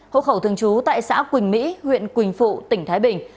hộ khẩu thường trú tại xã quỳnh mỹ huyện quỳnh phụ tỉnh thái bình